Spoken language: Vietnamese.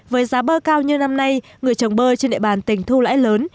với giá bơ cao như năm nay người trồng bơ trên địa bàn tỉnh thu lãi lớn